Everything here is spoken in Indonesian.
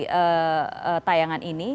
di tayangan ini